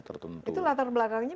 tertentu itu latar belakangnya